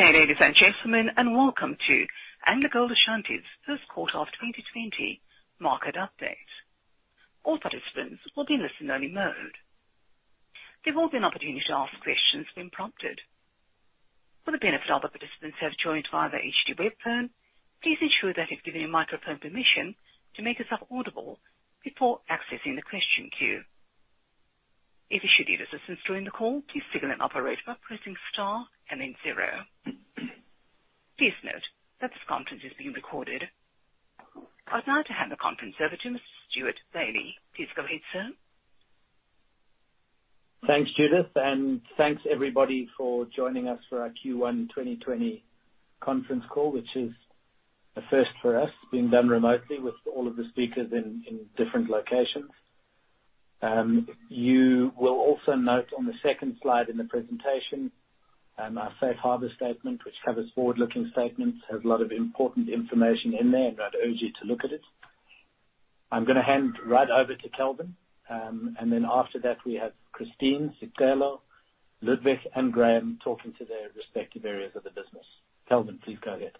Good day, ladies and gentlemen. Welcome to AngloGold Ashanti's first quarter of 2020 market update. All participants will be in listen-only mode. There will be an opportunity to ask questions when prompted. For the benefit of the participants who have joined via the HD web phone, please ensure that you've given your microphone permission to make yourself audible before accessing the question queue. Should you need assistance during the call, please signal an operator by pressing star and then zero. Please note that this conference is being recorded. I'd now to hand the conference over to Mr. Stewart Bailey. Please go ahead, sir. Thanks, Judith, and thanks, everybody, for joining us for our Q1 2020 conference call, which is a first for us, being done remotely with all of the speakers in different locations. You will also note on the second slide in the presentation, our safe harbor statement, which covers forward-looking statements, has a lot of important information in there, and I'd urge you to look at it. I'm going to hand right over to Kelvin, and then after that, we have Christine, Sicelo, Ludwig, and Graham talking to their respective areas of the business. Kelvin, please go ahead.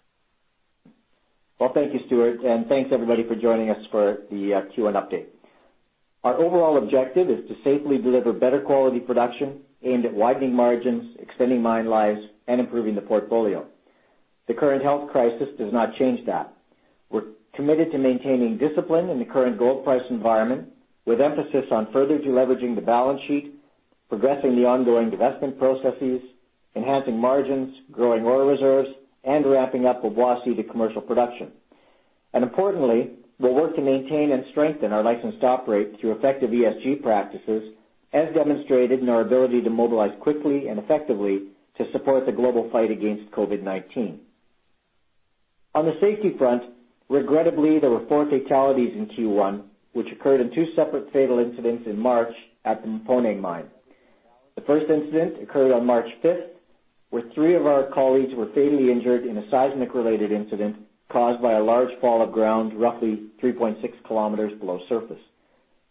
Well, thank you Stewart, and thanks everybody for joining us for the Q1 update. Our overall objective is to safely deliver better quality production aimed at widening margins, extending mine lives, and improving the portfolio. The current health crisis does not change that. We're committed to maintaining discipline in the current gold price environment, with emphasis on further de-leveraging the balance sheet, progressing the ongoing divestment processes, enhancing margins, growing Ore Reserves, and ramping up Obuasi to commercial production. Importantly, we'll work to maintain and strengthen our license to operate through effective ESG practices, as demonstrated in our ability to mobilize quickly and effectively to support the global fight against COVID-19. On the safety front, regrettably, there were four fatalities in Q1, which occurred in two separate fatal incidents in March at the Mponeng mine. The first incident occurred on March 5th, where three of our colleagues were fatally injured in a seismic-related incident caused by a large fall of ground, roughly 3.6 km below surface.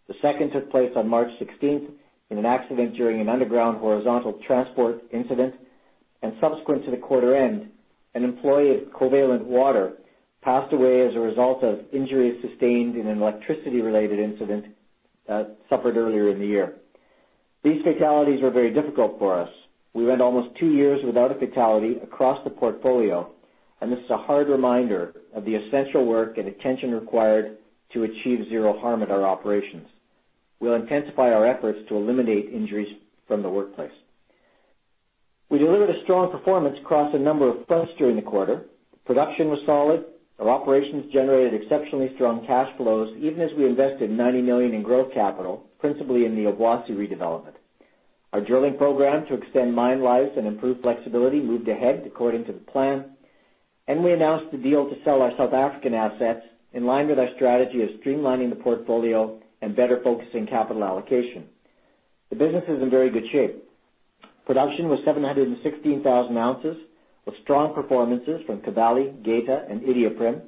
The second took place on March 16th in an accident during an underground horizontal transport incident, and subsequent to the quarter end, an employee of Covalent Water passed away as a result of injuries sustained in an electricity-related incident, suffered earlier in the year. These fatalities were very difficult for us. We went almost two years without a fatality across the portfolio. This is a hard reminder of the essential work and attention required to achieve zero harm at our operations. We will intensify our efforts to eliminate injuries from the workplace. We delivered a strong performance across a number of fronts during the quarter. Production was solid. Our operations generated exceptionally strong cash flows, even as we invested $90 million in growth capital, principally in the Obuasi redevelopment. Our drilling program to extend mine lives and improve flexibility moved ahead according to the plan, and we announced the deal to sell our South African assets in line with our strategy of streamlining the portfolio and better focusing capital allocation. The business is in very good shape. Production was 716,000 ounces, with strong performances from Kibali, Geita, and Iduapriem.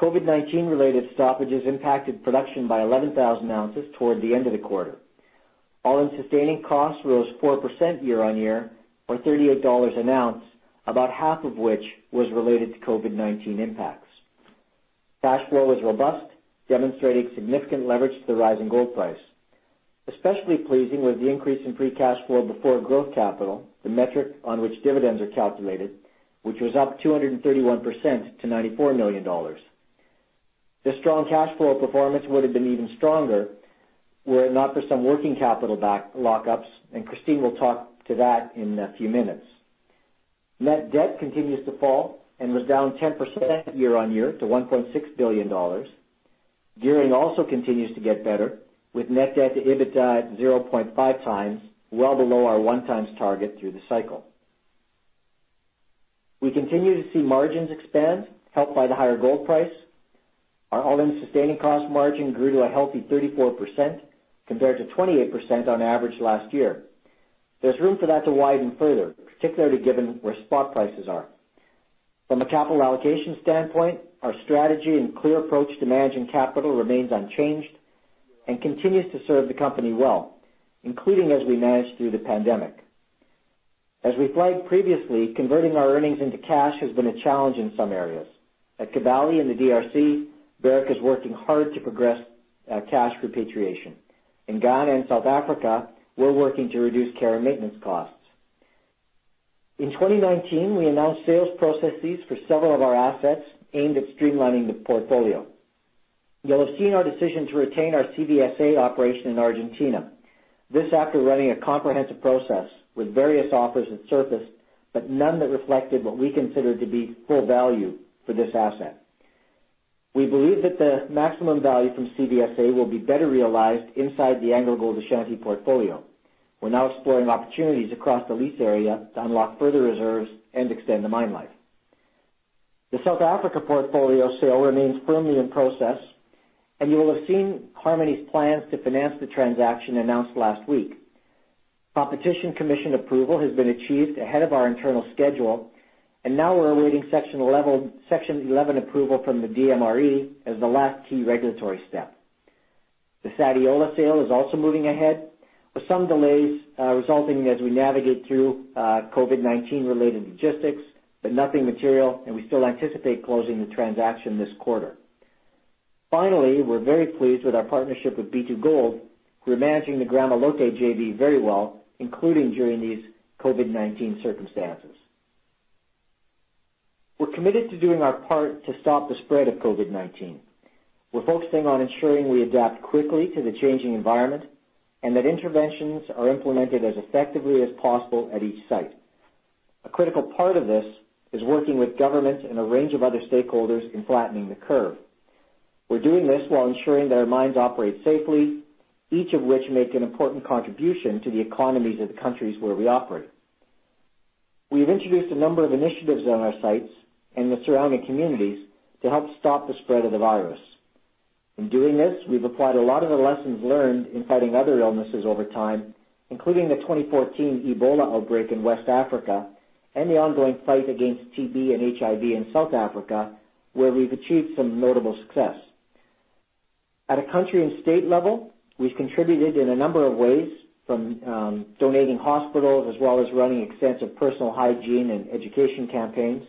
COVID-19 related stoppages impacted production by 11,000 ounces toward the end of the quarter. All-in sustaining costs rose 4% year-on-year or $38 an ounce, about half of which was related to COVID-19 impacts. Cash flow was robust, demonstrating significant leverage to the rise in gold price. Especially pleasing was the increase in free cash flow before growth capital, the metric on which dividends are calculated, which was up 231% to $94 million. The strong cash flow performance would have been even stronger were it not for some working capital lockups. Christine will talk to that in a few minutes. Net debt continues to fall and was down 10% year-on-year to $1.6 billion. Gearing also continues to get better, with net debt to EBITDA at 0.5x, well below our 1x target through the cycle. We continue to see margins expand, helped by the higher gold price. Our all-in sustaining cost margin grew to a healthy 34%, compared to 28% on average last year. There's room for that to widen further, particularly given where spot prices are. From a capital allocation standpoint, our strategy and clear approach to managing capital remains unchanged and continues to serve the company well, including as we manage through the pandemic. As we flagged previously, converting our earnings into cash has been a challenge in some areas. At Kibali in the DRC, Barrick is working hard to progress cash repatriation. In Ghana and South Africa, we're working to reduce care and maintenance costs. In 2019, we announced sales processes for several of our assets aimed at streamlining the portfolio. You'll have seen our decision to retain our CVSA operation in Argentina. This after running a comprehensive process with various offers that surfaced, but none that reflected what we considered to be full value for this asset. We believe that the maximum value from CVSA will be better realized inside the AngloGold Ashanti portfolio. We're now exploring opportunities across the lease area to unlock further reserves and extend the mine life. The South Africa portfolio sale remains firmly in process, and you will have seen Harmony's plans to finance the transaction announced last week. Competition Commission approval has been achieved ahead of our internal schedule. Now we're awaiting Section 11 approval from the DMRE as the last key regulatory step. The Sadiola sale is also moving ahead, with some delays resulting as we navigate through COVID-19 related logistics. Nothing material, we still anticipate closing the transaction this quarter. Finally, we're very pleased with our partnership with B2Gold, who are managing the Gramalote JV very well, including during these COVID-19 circumstances. We're committed to doing our part to stop the spread of COVID-19. We're focusing on ensuring we adapt quickly to the changing environment, and that interventions are implemented as effectively as possible at each site. A critical part of this is working with governments and a range of other stakeholders in flattening the curve. We're doing this while ensuring that our mines operate safely, each of which make an important contribution to the economies of the countries where we operate. We have introduced a number of initiatives on our sites and the surrounding communities to help stop the spread of the virus. In doing this, we've applied a lot of the lessons learned in fighting other illnesses over time, including the 2014 Ebola outbreak in West Africa and the ongoing fight against TB and HIV in South Africa, where we've achieved some notable success. At a country and state level, we've contributed in a number of ways, from donating hospitals as well as running extensive personal hygiene and education campaigns.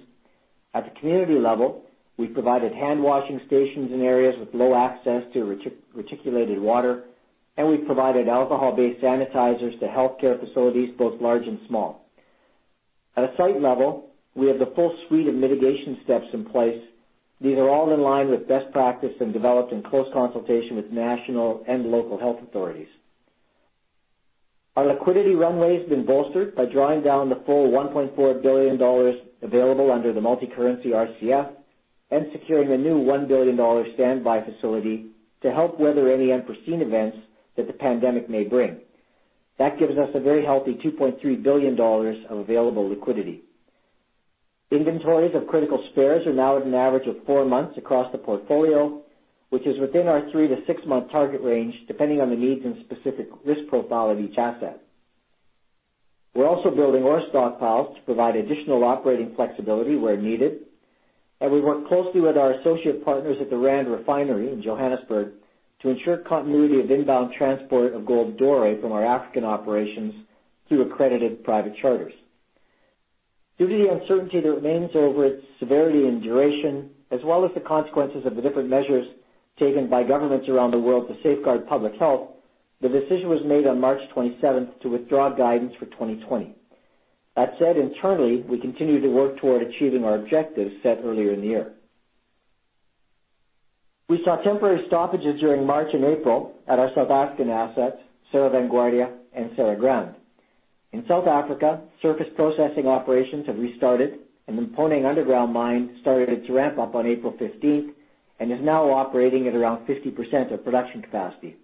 At the community level, we've provided hand washing stations in areas with low access to reticulated water, and we've provided alcohol-based sanitizers to healthcare facilities, both large and small. At a site level, we have the full suite of mitigation steps in place. These are all in line with best practice and developed in close consultation with national and local health authorities. Our liquidity runway has been bolstered by drawing down the full $1.4 billion available under the multicurrency RCF and securing a new $1 billion standby facility to help weather any unforeseen events that the pandemic may bring. That gives us a very healthy $2.3 billion of available liquidity. Inventories of critical spares are now at an average of four months across the portfolio, which is within our three to six-month target range, depending on the needs and specific risk profile of each asset. We're also building ore stockpiles to provide additional operating flexibility where needed, and we work closely with our associate partners at the Rand Refinery in Johannesburg to ensure continuity of inbound transport of gold doré from our African operations through accredited private charters. Due to the uncertainty that remains over its severity and duration, as well as the consequences of the different measures taken by governments around the world to safeguard public health, the decision was made on March 27th to withdraw guidance for 2020. That said, internally, we continue to work toward achieving our objectives set earlier in the year. We saw temporary stoppages during March and April at our South African assets, Cerro Vanguardia and Serra Grande. In South Africa, surface processing operations have restarted, and the Mponeng underground mine started its ramp up on April 15th and is now operating at around 50% of production capacity.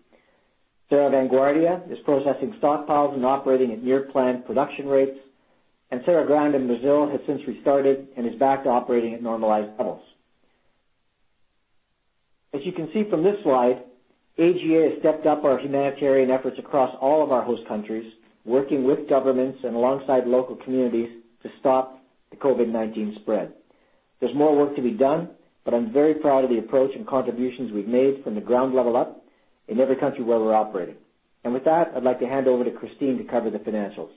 Cerro Vanguardia is processing stockpiles and operating at near planned production rates. Serra Grande in Brazil has since restarted and is back to operating at normalized levels. As you can see from this slide, AGA has stepped up our humanitarian efforts across all of our host countries, working with governments and alongside local communities to stop the COVID-19 spread. There's more work to be done, but I'm very proud of the approach and contributions we've made from the ground level up in every country where we're operating. With that, I'd like to hand over to Christine to cover the financials.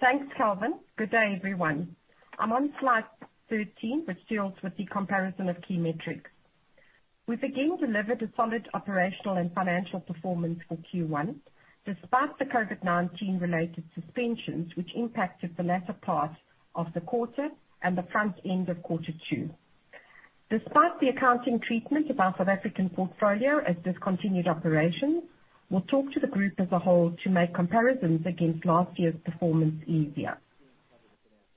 Thanks, Kelvin. Good day, everyone. I'm on slide 13, which deals with the comparison of key metrics. We've again delivered a solid operational and financial performance for Q1, despite the COVID-19 related suspensions, which impacted the latter part of the quarter and the front end of quarter two. Despite the accounting treatment of our South African portfolio as discontinued operations, we'll talk to the group as a whole to make comparisons against last year's performance easier.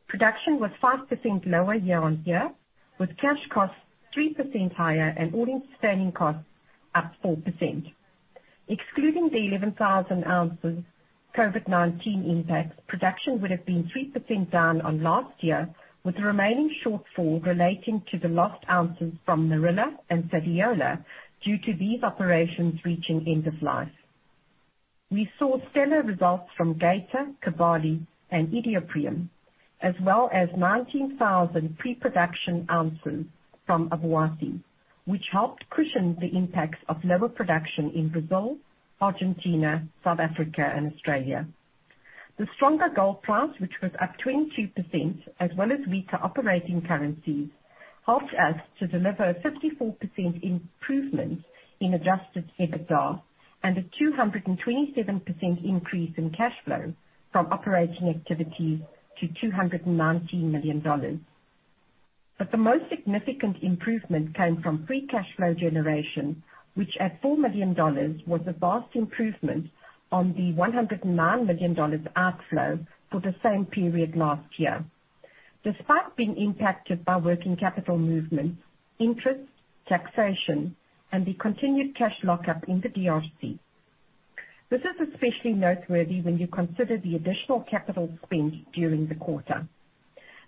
Production was 5% lower year-on-year, with cash costs 3% higher and all-in sustaining costs up 4%. Excluding the 11,000 ounces COVID-19 impact, production would have been 3% down on last year, with the remaining shortfall relating to the lost ounces from Morila and [N'Tiola due to these operations reaching end of life. We saw stellar results from Geita, Kibali, and Iduapriem, as well as 19,000 pre-production ounces from Obuasi, which helped cushion the impacts of lower production in Brazil, Argentina, South Africa, and Australia. The stronger gold price, which was up 22%, as well as weaker operating currencies, helped us to deliver a 54% improvement in adjusted EBITDA and a 227% increase in cash flow from operating activities to $219 million. The most significant improvement came from free cash flow generation, which at $4 million, was a vast improvement on the $109 million outflow for the same period last year, despite being impacted by working capital movements, interest, taxation, and the continued cash lockup in the DRC. This is especially noteworthy when you consider the additional capital spend during the quarter.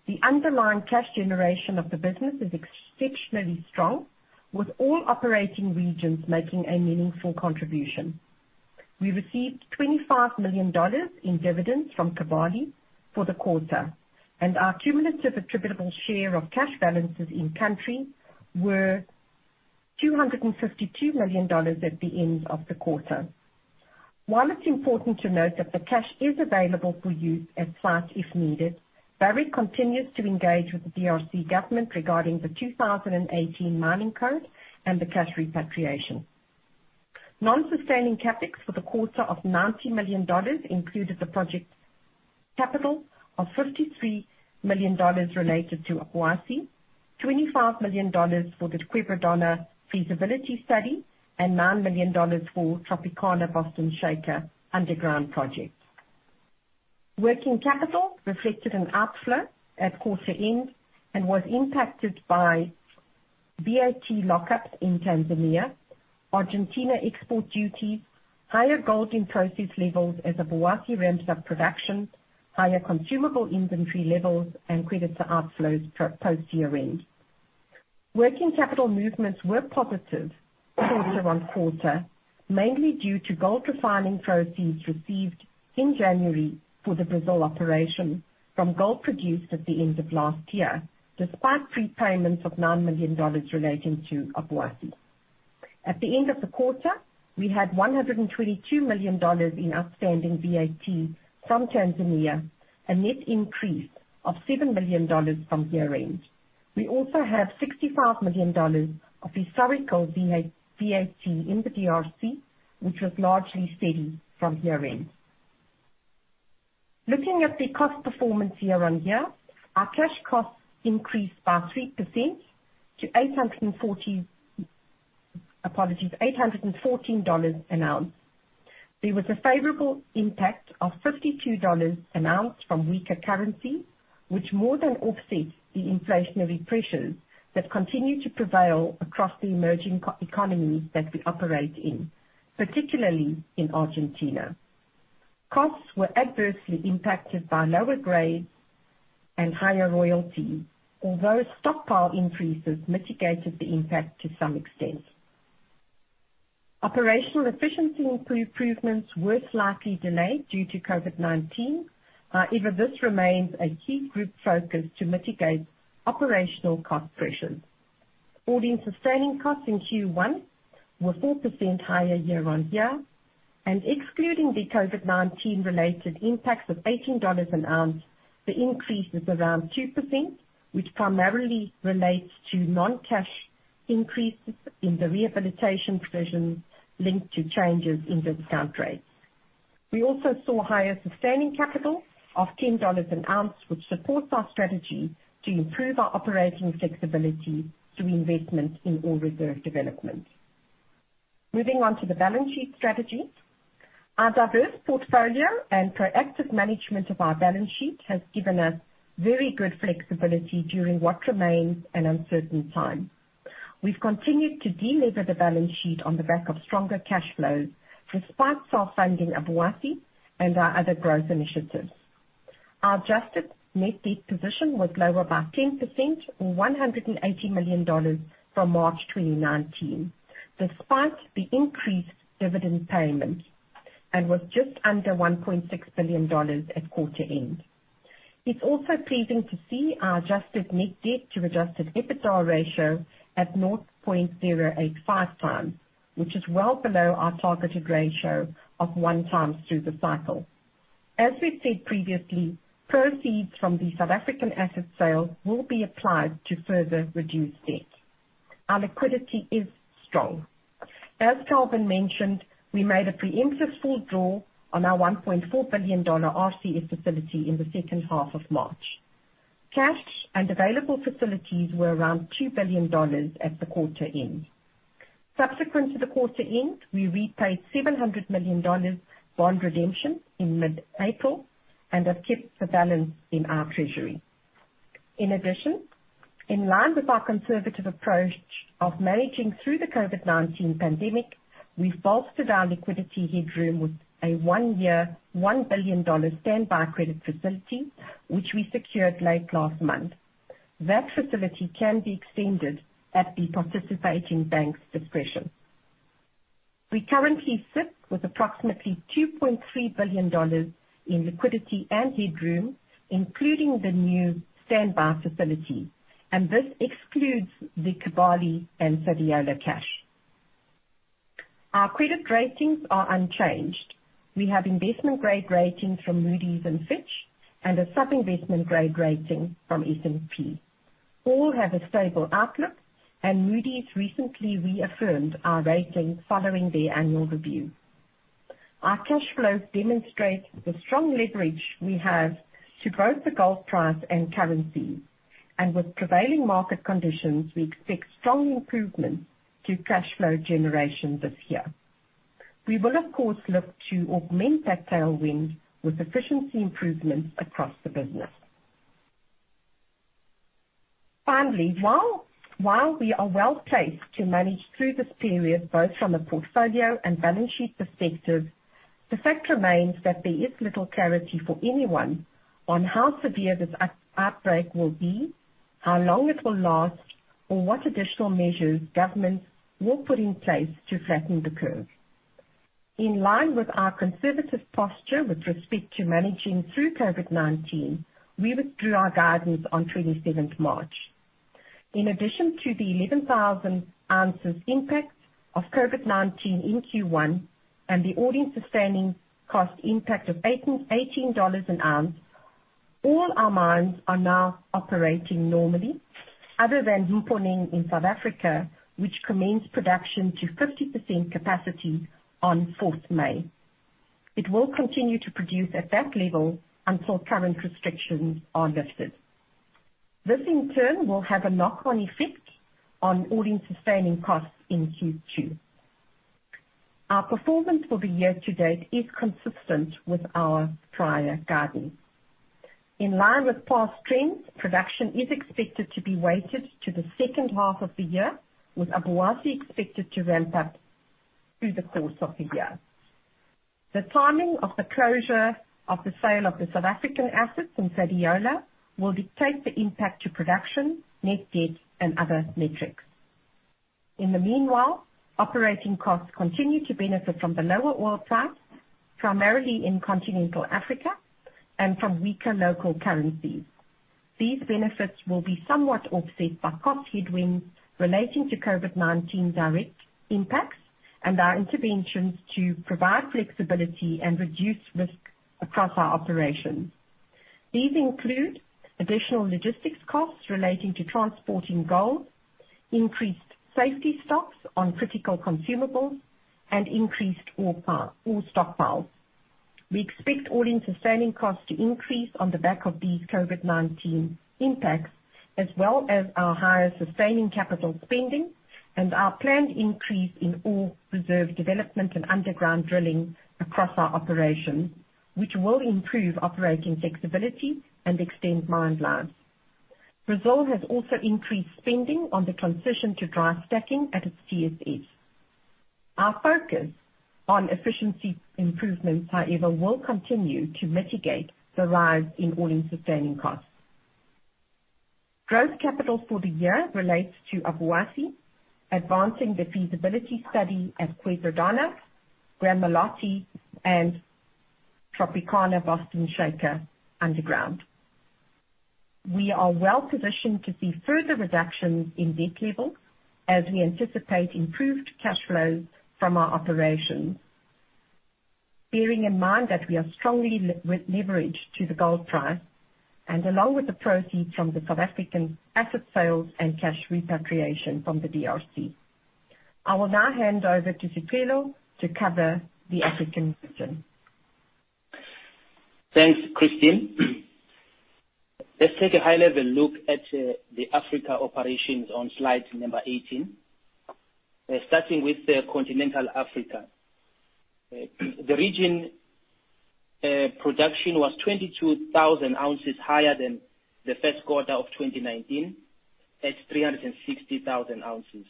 The underlying cash generation of the business is exceptionally strong, with all operating regions making a meaningful contribution. We received $25 million in dividends from Kibali for the quarter, and our cumulative attributable share of cash balances in country were $252 million at the end of the quarter. While it's important to note that the cash is available for use at site if needed, Barrick continues to engage with the D.R.C. government regarding the 2018 mining code and the cash repatriation. Non-sustaining CapEx for the quarter of $90 million included the project capital of $53 million related to Obuasi, $25 million for the Quebradona feasibility study, and $9 million for Tropicana Boston Shaker underground project. Working capital reflected an outflow at quarter end and was impacted by VAT lock-ups in Tanzania, Argentina export duties, higher gold in process levels as Obuasi ramps up production, higher consumable inventory levels, and creditor outflows post year-end. Working capital movements were positive quarter-on-quarter, mainly due to gold refining proceeds received in January for the Brazil operation from gold produced at the end of last year. Despite prepayments of $9 million relating to Obuasi. At the end of the quarter, we had $122 million in outstanding VAT from Tanzania, a net increase of $7 million from year-end. We also have $65 million of historical VAT in the DRC, which was largely steady from year-end. Looking at the cost performance year-on-year, our cash costs increased by 3% to $814 an ounce. There was a favorable impact of $52 an ounce from weaker currency, which more than offsets the inflationary pressures that continue to prevail across the emerging economies that we operate in, particularly in Argentina. Costs were adversely impacted by lower grades and higher royalty, although stockpile increases mitigated the impact to some extent. Operational efficiency improvements were slightly delayed due to COVID-19. This remains a key group focus to mitigate operational cost pressures. All-in sustaining costs in Q1 were 4% higher year-on-year, and excluding the COVID-19 related impacts of $18 an ounce, the increase is around 2%, which primarily relates to non-cash increases in the rehabilitation provisions linked to changes in discount rates. We also saw higher sustaining capital of $10 an ounce, which supports our strategy to improve our operating flexibility through investment in all reserve developments. Moving on to the balance sheet strategy. Our diverse portfolio and proactive management of our balance sheet has given us very good flexibility during what remains an uncertain time. We've continued to delever the balance sheet on the back of stronger cash flows, despite self-funding Obuasi and our other growth initiatives. Our adjusted net debt position was lower by 10% or $180 million from March 2019, despite the increased dividend payment, and was just under $1.6 billion at quarter end. It's also pleasing to see our adjusted net debt to adjusted EBITDA ratio at 0.085x, which is well below our targeted ratio of 1x through the cycle. As we've said previously, proceeds from the South African asset sale will be applied to further reduce debt. Our liquidity is strong. As Kelvin mentioned, we made a preemptive full draw on our $1.4 billion RCF facility in the second half of March. Cash and available facilities were around $2 billion at the quarter end. Subsequent to the quarter end, we repaid $700 million bond redemption in mid-April and have kept the balance in our treasury. In addition, in line with our conservative approach of managing through the COVID-19 pandemic, we've bolstered our liquidity headroom with a one-year, $1 billion standby credit facility, which we secured late last month. That facility can be extended at the participating bank's discretion. We currently sit with approximately $2.3 billion in liquidity and headroom, including the new standby facility, and this excludes the Kibali and Bulyanhulu cash. Our credit ratings are unchanged. We have investment-grade ratings from Moody's and Fitch and a sub-investment grade rating from S&P. All have a stable outlook, and Moody's recently reaffirmed our rating following their annual review. Our cash flows demonstrate the strong leverage we have to both the gold price and currency. With prevailing market conditions, we expect strong improvement to cash flow generation this year. We will, of course, look to augment that tailwind with efficiency improvements across the business. Finally, while we are well-placed to manage through this period, both from a portfolio and balance sheet perspective, the fact remains that there is little clarity for anyone on how severe this outbreak will be. How long it will last or what additional measures governments will put in place to flatten the curve. In line with our conservative posture with respect to managing through COVID-19, we withdrew our guidance on March 27th. In addition to the 11,000 ounces impact of COVID-19 in Q1 and the all-in sustaining cost impact of $18 an ounce, all our mines are now operating normally other than Mponeng in South Africa, which commenced production to 50% capacity on May 4th. It will continue to produce at that level until current restrictions are lifted. This, in turn, will have a knock-on effect on all-in sustaining costs in Q2. Our performance for the year-to-date is consistent with our prior guidance. In line with past trends, production is expected to be weighted to the second half of the year, with Obuasi expected to ramp up through the course of the year. The timing of the closure of the sale of the South African assets and Sadiola will dictate the impact to production, net debt, and other metrics. In the meanwhile, operating costs continue to benefit from the lower oil price, primarily in continental Africa and from weaker local currencies. These benefits will be somewhat offset by cost headwinds relating to COVID-19 direct impacts and our interventions to provide flexibility and reduce risk across our operations. These include additional logistics costs relating to transporting gold, increased safety stocks on critical consumables, and increased ore stockpiles. We expect all-in sustaining costs to increase on the back of these COVID-19 impacts, as well as our higher sustaining capital spending and our planned increase in Ore Reserve Development and underground drilling across our operations, which will improve operating flexibility and extend mine lives. Rosalino has also increased spending on the transition to dry stacking at its TSFs. Our focus on efficiency improvements, however, will continue to mitigate the rise in all-in sustaining costs. Growth capital for the year relates to Obuasi, advancing the feasibility study at Quebradona, Gramalote, and Tropicana Boston Shaker underground. We are well-positioned to see further reductions in debt levels as we anticipate improved cash flow from our operations. Bearing in mind that we are strongly leveraged to the gold price and along with the proceeds from the South African asset sales and cash repatriation from the DRC. I will now hand over to Sicelo to cover the African region. Thanks, Christine. Let's take a high-level look at the Africa operations on slide number 18. Starting with continental Africa. The region production was 22,000 ounces higher than the first quarter of 2019, at 360,000 ounces.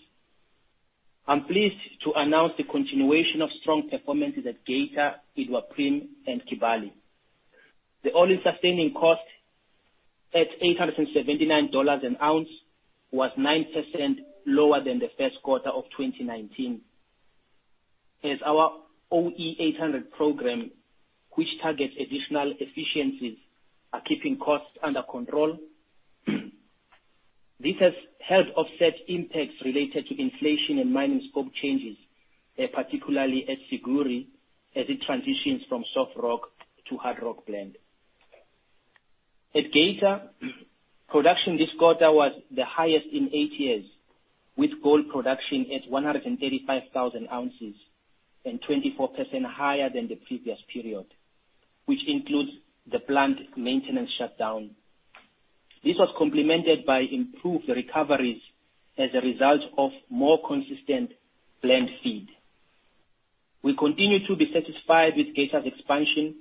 I'm pleased to announce the continuation of strong performances at Geita, Iduapriem, and Kibali. The all-in sustaining cost at $879 an ounce was 9% lower than the first quarter of 2019. As our OE 800 program, which targets additional efficiencies, are keeping costs under control. This has helped offset impacts related to inflation and mining scope changes, particularly at Siguiri, as it transitions from soft rock to hard rock blend. At Geita, production this quarter was the highest in eight years, with gold production at 135,000 ounces and 24% higher than the previous period, which includes the plant maintenance shutdown. This was complemented by improved recoveries as a result of more consistent plant feed. We continue to be satisfied with Geita's expansion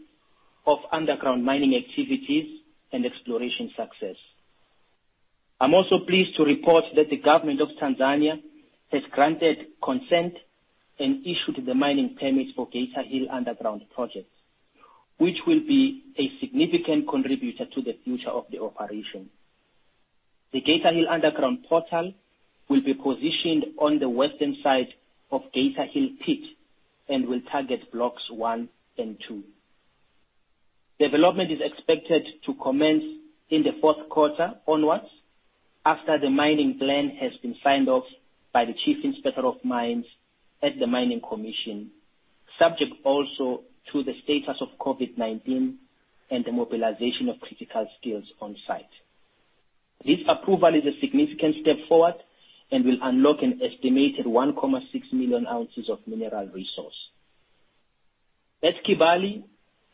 of underground mining activities and exploration success. I'm also pleased to report that the government of Tanzania has granted consent and issued the mining permits for Geita Hill Underground Project, which will be a significant contributor to the future of the operation. The Geita Hill Underground Portal will be positioned on the western side of Geita Hill Pit and will target blocks one and two. Development is expected to commence in the fourth quarter onwards after the mining plan has been signed off by the Chief Inspector of Mines at the Minerals Commission, subject also to the status of COVID-19 and the mobilization of critical skills on-site. This approval is a significant step forward and will unlock an estimated 1.6 million ounces of mineral resource. At Kibali,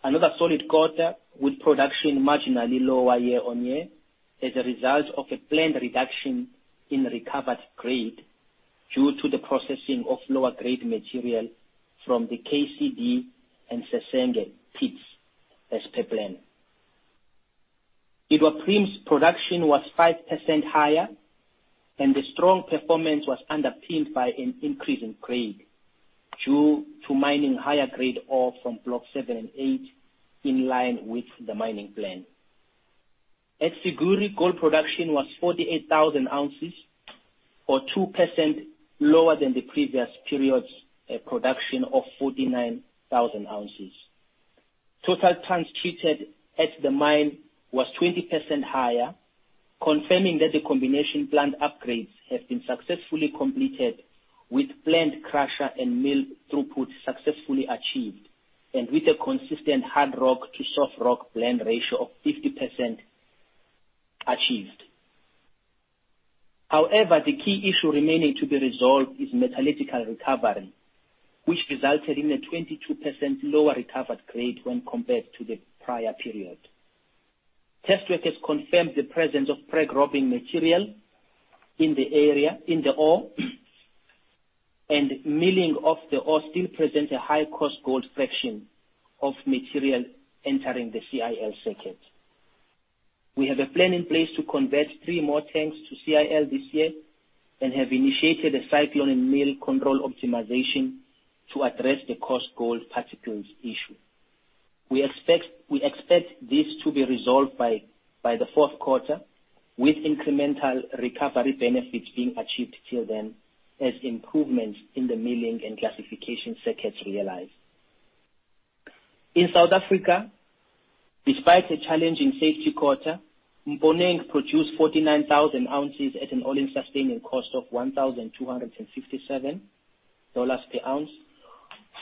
another solid quarter with production marginally lower year-on-year as a result of a planned reduction in recovered grade due to the processing of lower grade material from the KCD and Sesenge pits as per plan. Iduapriem's production was 5% higher. The strong performance was underpinned by an increase in grade due to mining higher grade ore from Block 7 and 8, in line with the mining plan. At Siguiri, gold production was 48,000 ounces or 2% lower than the previous period's production of 49,000 ounces. Total tons treated at the mine was 20% higher, confirming that the combination plant upgrades have been successfully completed with planned crusher and mill throughput successfully achieved, with a consistent hard rock to soft rock blend ratio of 50% achieved. However, the key issue remaining to be resolved is metallurgical recovery, which resulted in a 22% lower recovered grade when compared to the prior period. Test work has confirmed the presence of preg-robbing material in the ore, and milling of the ore still present a coarse gold fraction of material entering the CIL circuit. We have a plan in place to convert three more tanks to CIL this year and have initiated a cyclone and mill control optimization to address the coarse gold particles issue. We expect this to be resolved by the fourth quarter, with incremental recovery benefits being achieved till then as improvements in the milling and classification circuits realize. In South Africa, despite a challenging safety quarter, Mponeng produced 49,000 ounces at an all-in sustaining cost of $1,267 per ounce,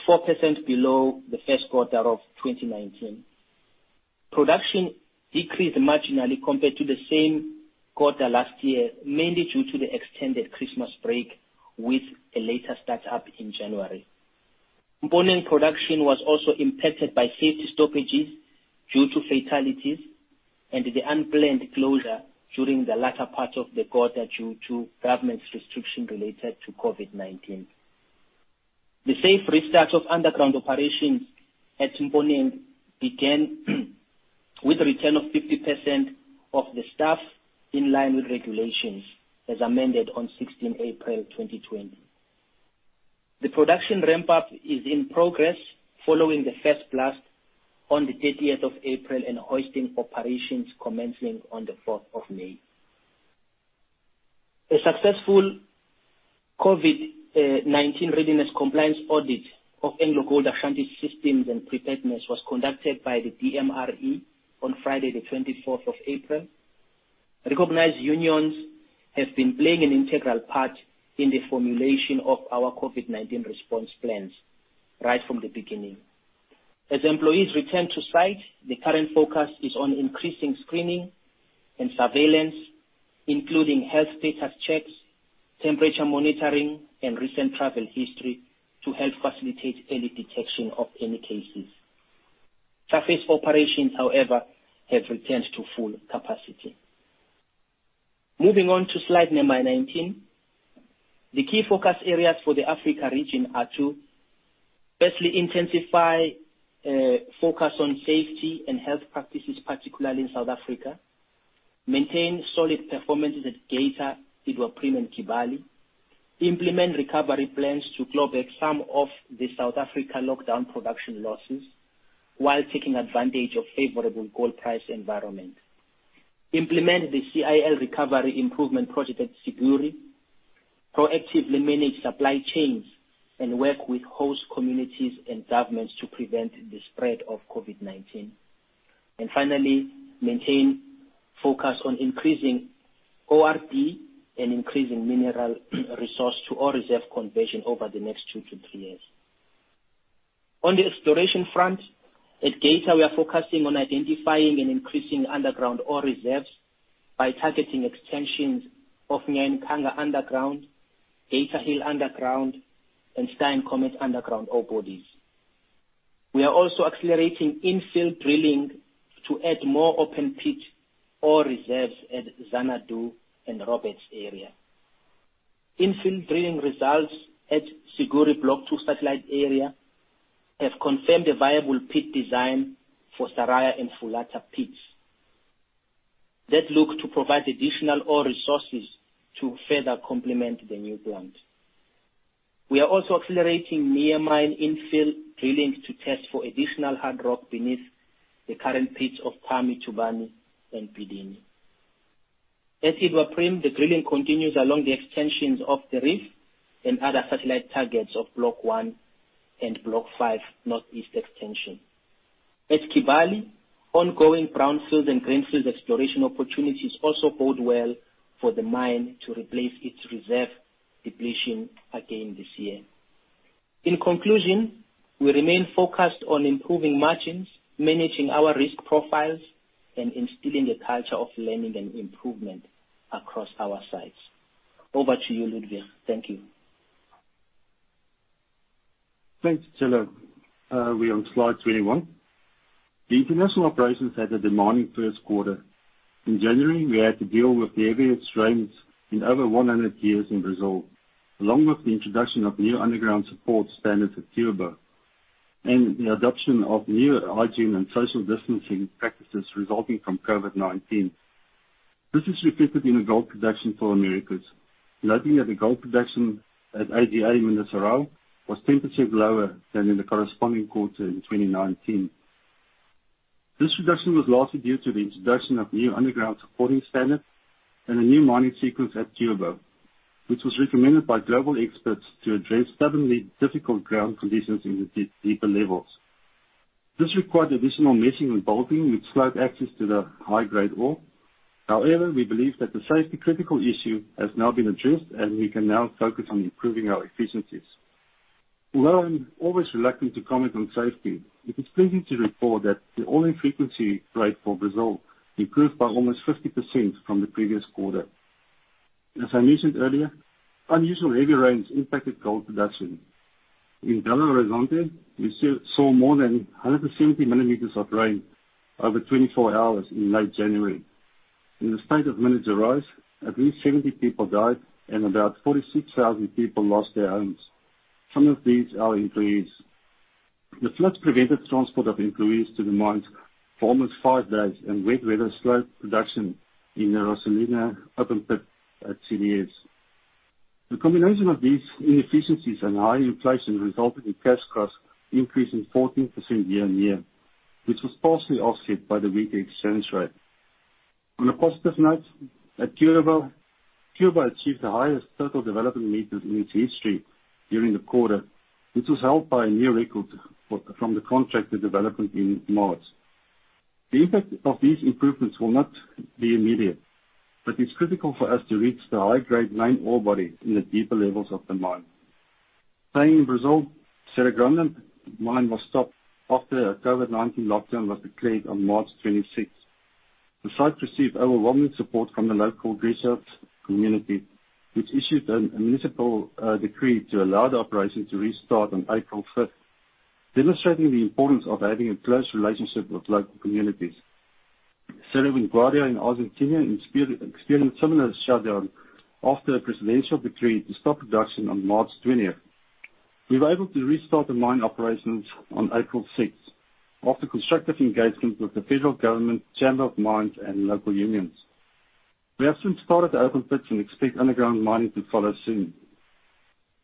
4% below the first quarter of 2019. Production decreased marginally compared to the same quarter last year, mainly due to the extended Christmas break with a later start up in January. Mponeng production was also impacted by safety stoppages due to fatalities and the unplanned closure during the latter part of the quarter due to government restrictions related to COVID-19. The safe restart of underground operations at Mponeng began with a return of 50% of the staff in line with regulations as amended on April 16th, 2020. The production ramp-up is in progress following the first blast on the of April 30th and hoisting operations commencing on the of May 4th. A successful COVID-19 readiness compliance audit of AngloGold Ashanti systems and preparedness was conducted by the DMRE on Friday the of April 24th. Recognized unions have been playing an integral part in the formulation of our COVID-19 response plans right from the beginning. As employees return to site, the current focus is on increasing screening and surveillance, including health status checks, temperature monitoring, and recent travel history to help facilitate early detection of any cases. Surface operations, however, have returned to full capacity. Moving on to slide number 19. The key focus areas for the Africa region are to firstly intensify focus on safety and health practices, particularly in South Africa. Maintain solid performances at Geita, Iduapriem, and Kibali. Implement recovery plans to claw back some of the South Africa lockdown production losses while taking advantage of favorable gold price environment. Implement the CIL recovery improvement project at Siguiri. Proactively manage supply chains and work with host communities and governments to prevent the spread of COVID-19. Finally, maintain focus on increasing ORD and increasing mineral resource to Ore Reserve conversion over the next two to three years. On the exploration front, at Geita, we are focusing on identifying and increasing underground Ore Reserves by targeting extensions of Nyankanga underground, Geita Hill Underground, and Star & Comet underground ore bodies. We are also accelerating infill drilling to add more open pit Ore Reserves at Xanadu and Roberts area. Infill drilling results at Siguiri Block Two satellite area have confirmed a viable pit design for Saraya and Fulata pits. That look to provide additional ore resources to further complement the new plant. We are also accelerating near mine infill drilling to test for additional hard rock beneath the current pits of Kami, Tubani and Bidini. At Iduapriem, the drilling continues along the extensions of the reef and other satellite targets of Block 1 and Block 5 northeast extension. At Kibali, ongoing brownfields and greenfields exploration opportunities also bode well for the mine to replace its reserve depletion again this year. In conclusion, we remain focused on improving margins, managing our risk profiles, and instilling a culture of learning and improvement across our sites. Over to you, Ludwig. Thank you. Thanks, Sicelo. We are on slide 21. The international operations had a demanding first quarter. In January, we had to deal with the heaviest rains in over 100 years in Brazil, along with the introduction of new underground support standards at Cuiabá. The adoption of new hygiene and social distancing practices resulting from COVID-19. This is reflected in the gold production for Americas, noting that the gold production at AGA Mineração was 10% lower than in the corresponding quarter in 2019. This reduction was largely due to the introduction of new underground supporting standards and a new mining sequence at Turvo, which was recommended by global experts to address stubbornly difficult ground conditions in the deeper levels. This required additional meshing and bolting, which slowed access to the high-grade ore. We believe that the safety critical issue has now been addressed, and we can now focus on improving our efficiencies. Although I'm always reluctant to comment on safety, it is pleasing to report that the all-in frequency rate for Brazil improved by almost 50% from the previous quarter. As I mentioned earlier, unusual heavy rains impacted gold production. In Belo Horizonte, we saw more than 170 mm of rain over 24 hours in late January. In the state of Minas Gerais, at least 70 people died and about 46,000 people lost their homes. Some of these are employees. The floods prevented transport of employees to the mines for almost five days, and wet weather slowed production in the Rosalino open pit at CdS. The combination of these inefficiencies and high inflation resulted in cash costs increasing 14% year-on-year, which was partially offset by the weaker exchange rate. On a positive note, at Turvo achieved the highest total development meters in its history during the quarter, which was helped by a new record from the contracted development in March. The impact of these improvements will not be immediate, but it's critical for us to reach the high-grade nine ore body in the deeper levels of the mine. Staying in Brazil, Serra Grande mine was stopped after a COVID-19 lockdown was declared on March 26th. The site received overwhelming support from the local resort community, which issued a municipal decree to allow the operation to restart on April 5th, demonstrating the importance of having a close relationship with local communities. Cerro Vanguardia in Argentina experienced similar shutdown after a presidential decree to stop production on March 20th. We were able to restart the mine operations on April 6th, after constructive engagement with the federal government, chamber of mines, and local unions. We have since started the open pits and expect underground mining to follow soon.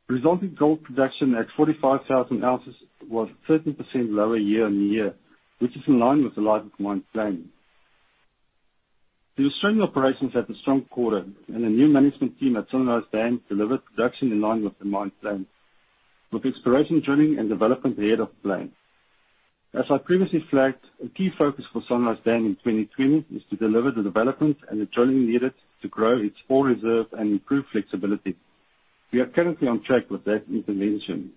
Resulting gold production at 45,000 ounces was 13% lower year-on-year, which is in line with the life of mine planning. The Australian operations had a strong quarter, and a new management team at Sunrise Dam delivered production in line with the mine plan, with exploration drilling and development ahead of plan. As I previously flagged, a key focus for Sunrise Dam in 2020 is to deliver the development and the drilling needed to grow its Ore Reserve and improve flexibility. We are currently on track with that intervention.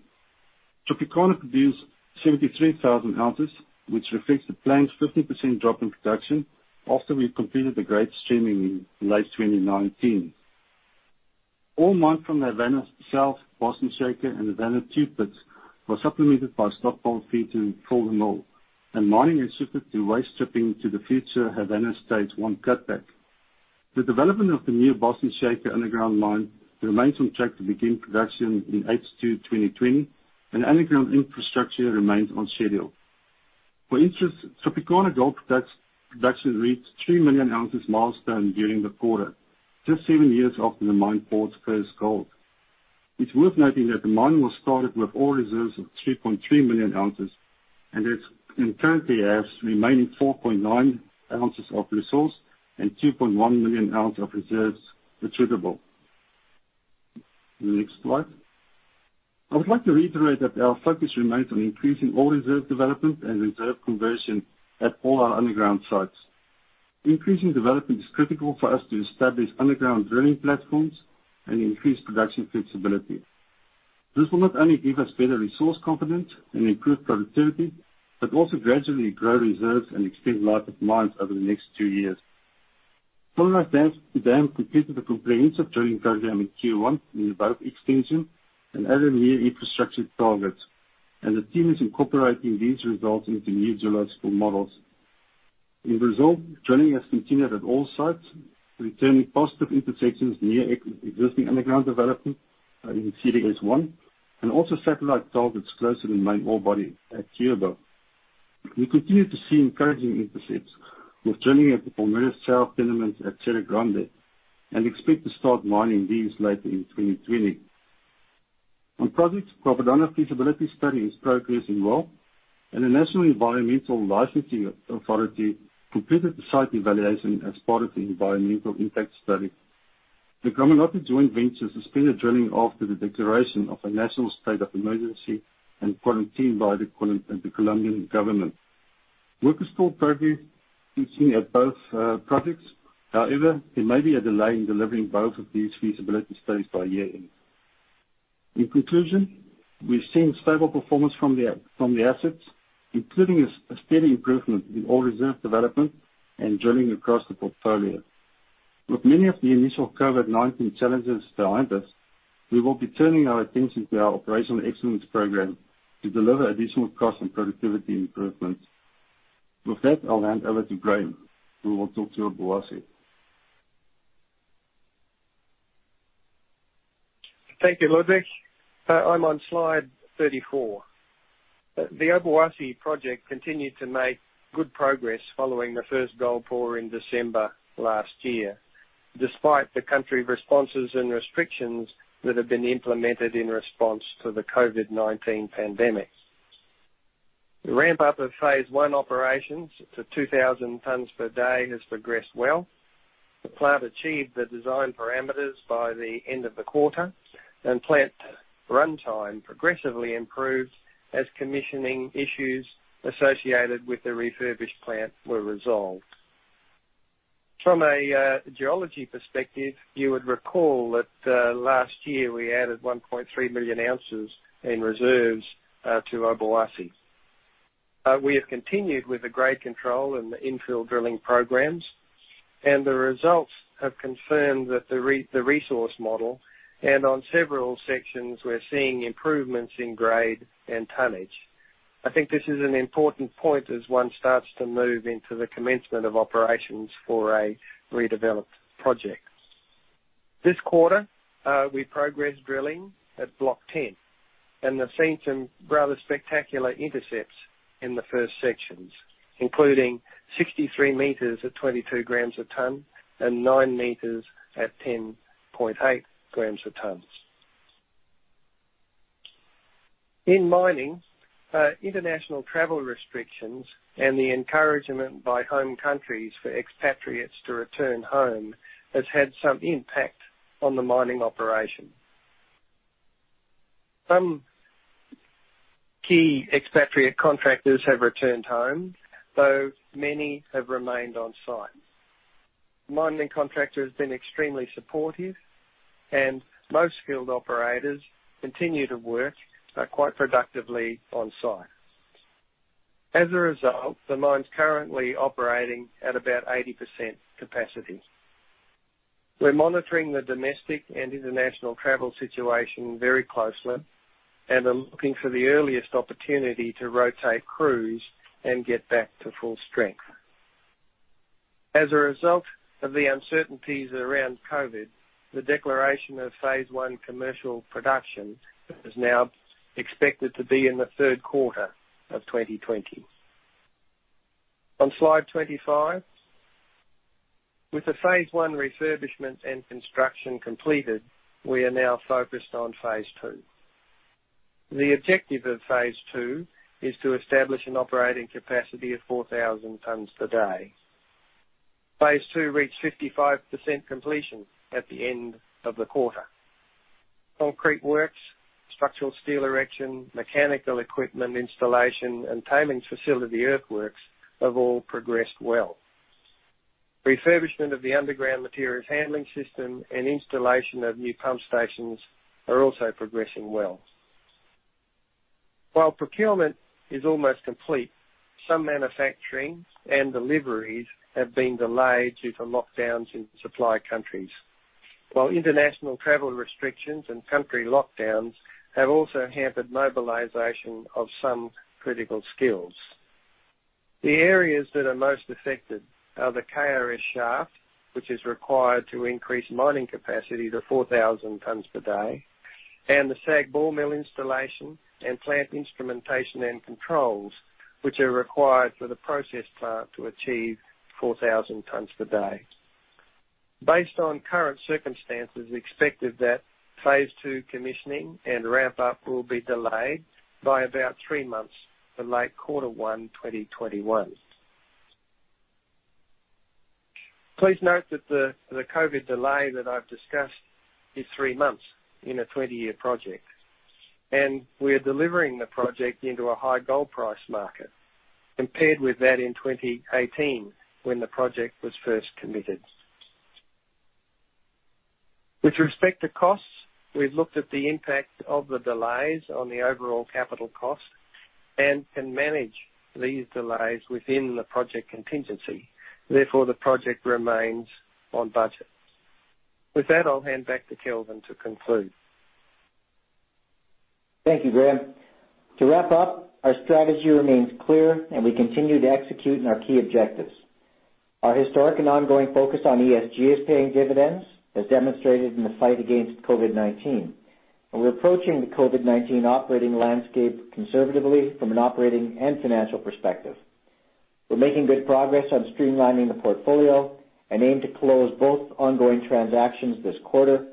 Tropicana produced 73,000 ounces, which reflects the planned 15% drop in production after we completed the grade screening in late 2019. All mined from the Havana South, Boston Shaker, and Havana Two pits were supplemented by stoped ore feed to fill the mill, and mining has shifted to waste stripping to the future Havana Stage 1 cutback. The development of the new Boston Shaker underground mine remains on track to begin production in H2 2020, and underground infrastructure remains on schedule. For instance, Tropicana Gold production reached 3 million ounces milestone during the quarter, just seven years after the mine poured first gold. It's worth noting that the mine was started with Ore Reserves of 3.3 million ounces and currently has remaining 4.9 ounces of resource and 2.1 million ounces of reserves that's suitable. The next slide. I would like to reiterate that our focus remains on increasing Ore Reserve Development and reserve conversion at all our underground sites. Increasing development is critical for us to establish underground drilling platforms and increase production flexibility. This will not only give us better resource confidence and improve productivity, but also gradually grow reserves and extend life of mines over the next two years. Sunrise Dam completed a comprehensive drilling program in Q1 near both extension and other near infrastructure targets, and the team is incorporating these results into new geological models. In Brazil, drilling has continued at all sites, returning positive intersections near existing underground development, in CdS I, and also satellite targets closer to the main ore body at Turvo. We continue to see encouraging intercepts with drilling at the Palmeiras South tenements at Serra Grande and expect to start mining these later in 2020. On projects, Quebradona feasibility study is progressing well, and the National Environmental Licensing Authority completed the site evaluation as part of the environmental impact study. The Gramalote joint venture suspended drilling after the declaration of a national state of emergency and quarantine by the Colombian government. Work has slowed progress between both projects. There may be a delay in delivering both of these feasibility studies by year-end. In conclusion, we've seen stable performance from the assets, including a steady improvement in Ore Reserve Development and drilling across the portfolio. With many of the initial COVID-19 challenges behind us, we will be turning our attention to our operational excellence program to deliver additional cost and productivity improvements. With that, I'll hand over to Graham, who will talk to you about asset. Thank you, Ludwig. I'm on slide 34. The Obuasi project continued to make good progress following the first gold pour in December last year, despite the country responses and restrictions that have been implemented in response to the COVID-19 pandemic. The ramp-up of phase I operations to 2,000 tons per day has progressed well. The plant achieved the design parameters by the end of the quarter, and plant runtime progressively improved as commissioning issues associated with the refurbished plant were resolved. From a geology perspective, you would recall that last year we added 1.3 million ounces in reserves to Obuasi. We have continued with the grade control and the infill drilling programs, and the results have confirmed that the resource model, and on several sections, we're seeing improvements in grade and tonnage. I think this is an important point as one starts to move into the commencement of operations for a redeveloped project. This quarter, we progressed drilling at Block 10 and have seen some rather spectacular intercepts in the first sections, including 63 m at 22 g a ton and 9 m at 10.8 g a ton. In mining, international travel restrictions and the encouragement by home countries for expatriates to return home has had some impact on the mining operation. Some key expatriate contractors have returned home, though many have remained on-site. Mining contractor has been extremely supportive, and most field operators continue to work quite productively on-site. As a result, the mine's currently operating at about 80% capacity. We're monitoring the domestic and international travel situation very closely and are looking for the earliest opportunity to rotate crews and get back to full strength. As a result of the uncertainties around COVID, the declaration of phase I commercial production is now expected to be in the third quarter of 2020. On slide 25. With the phase I refurbishment and construction completed, we are now focused on phase II. The objective of phase II is to establish an operating capacity of 4,000 tons per day. Phase II reached 55% completion at the end of the quarter. Concrete works, structural steel erection, mechanical equipment installation, and tailings facility earthworks have all progressed well. Refurbishment of the underground materials handling system and installation of new pump stations are also progressing well. While procurement is almost complete, some manufacturing and deliveries have been delayed due to lockdowns in supply countries. While international travel restrictions and country lockdowns have also hampered mobilization of some critical skills. The areas that are most affected are the KMS shaft, which is required to increase mining capacity to 4,000 tons per day, and the SAG ball mill installation and plant instrumentation and controls, which are required for the process plant to achieve 4,000 tons per day. Based on current circumstances, we expected that phase II commissioning and ramp-up will be delayed by about three months to late quarter one 2021. Please note that the COVID delay that I've discussed is three months in a 20-year project. We are delivering the project into a high gold price market compared with that in 2018 when the project was first committed. With respect to costs, we've looked at the impact of the delays on the overall capital cost and can manage these delays within the project contingency. Therefore, the project remains on budget. With that, I'll hand back to Kelvin to conclude. Thank you, Graham. To wrap up, our strategy remains clear and we continue to execute on our key objectives. Our historic and ongoing focus on ESG is paying dividends, as demonstrated in the fight against COVID-19, and we're approaching the COVID-19 operating landscape conservatively from an operating and financial perspective. We're making good progress on streamlining the portfolio and aim to close both ongoing transactions this quarter.